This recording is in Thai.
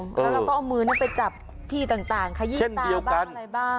แล้วเราก็เอามือนี้ไปจับที่ต่างขยี้ตาบ้างอะไรบ้าง